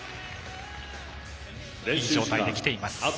いい状態で来ています。